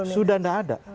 sudah tidak ada